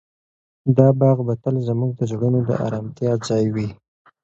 دا باغ به تل زموږ د زړونو د ارامتیا ځای وي.